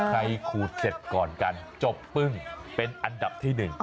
ใครคูดเสร็จก่อนกันจบปึ้งเป็นอันดับที่หนึ่ง